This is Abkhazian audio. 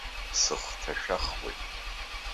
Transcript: Сыхҭашәахуеит.